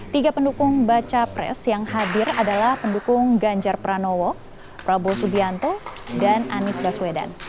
tiga pendukung baca pres yang hadir adalah pendukung ganjar pranowo prabowo subianto dan anies baswedan